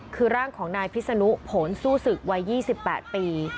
คือร่างของนายฟิศนุโผนซู่สึกวัย๒๘ปี